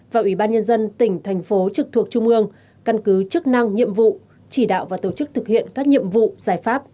và ủy ban nhân dân tỉnh thành phố trực thuộc trung ương căn cứ chức năng nhiệm vụ chỉ đạo và tổ chức thực hiện các nhiệm vụ giải pháp